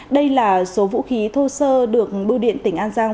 đây là số vũ khí thô sơ được bưu điện tỉnh an giang